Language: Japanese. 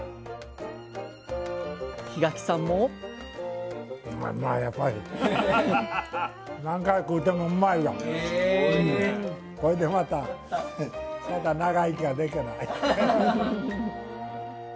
檜垣さんもこれでまた長生きができらぁね。